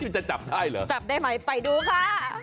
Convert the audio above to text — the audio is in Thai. จะจับได้เหรอจับได้ไหมไปดูค่ะ